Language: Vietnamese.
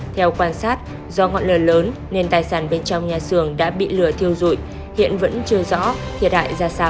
theo quan sát do ngọn lửa lớn nên tài sản bên trong nhà xưởng đã bị lửa thiêu dụi hiện vẫn chưa rõ thiệt hại ra sao